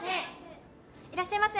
いらっしゃいませ。